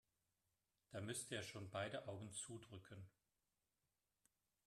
Da müsste er schon beide Augen zudrücken.